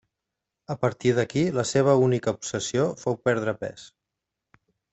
A partir d'aquí la seva única obsessió fou perdre pes.